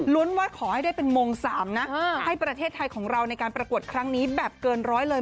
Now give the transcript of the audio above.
ว่าขอให้ได้เป็นมง๓นะให้ประเทศไทยของเราในการประกวดครั้งนี้แบบเกินร้อยเลย